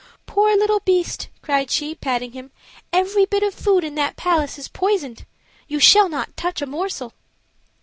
"Poor little beast!" cried she, patting him, "every bit of food in that palace is poisoned: you shall not touch a morsel."